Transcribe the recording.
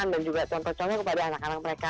dan juga contoh contohnya kepada anak anak mereka